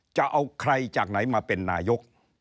จะเอาใครจากไหนมาเป็นนายก